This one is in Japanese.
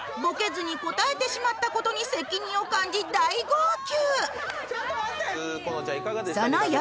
ボケずに答えてしまったことに責任を感じ大号泣